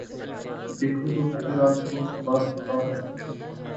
دیکھو تو کدھر آج رخ باد صبا ہے